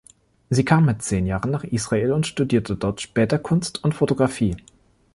Sie kam mit zehn Jahren nach Israel und studierte dort später Kunst und Fotografie.